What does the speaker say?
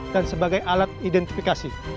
dan sebagai alat identifikasi